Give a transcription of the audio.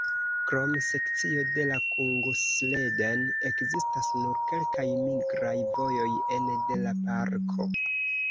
Krom sekcio de la Kungsleden ekzistas nur kelkaj migraj vojoj ene de la parko.